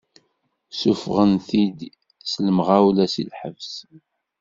Ssufɣen-t-id s lemɣawla si lḥebs.